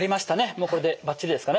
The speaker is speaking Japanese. もうこれでばっちりですかね。